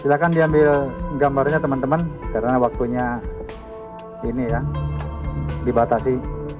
silahkan diambil gambarnya teman teman karena waktunya ini ya dibatasi